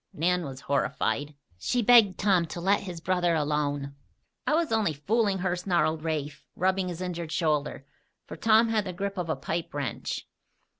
Nan was horrified. She begged Tom to let his brother alone. "I was only fooling her," snarled Rafe, rubbing his injured shoulder, for Tom had the grip of a pipe wrench.